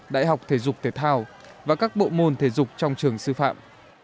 đại học thể dục thể thao và các bộ môn thể dục trong trường sư phạm